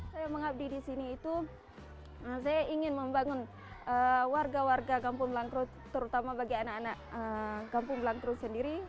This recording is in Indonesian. saya mengabdi di sini itu saya ingin membangun warga warga kampung belangkru terutama bagi anak anak kampung belangkru sendiri